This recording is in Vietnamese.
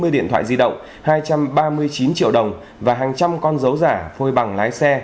hai mươi điện thoại di động hai trăm ba mươi chín triệu đồng và hàng trăm con dấu giả phôi bằng lái xe